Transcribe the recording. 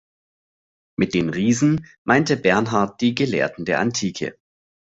Mit den Riesen meinte Bernhard die Gelehrten der Antike.